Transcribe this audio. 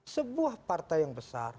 sebuah partai yang besar